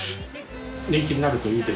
人気になるといいですね。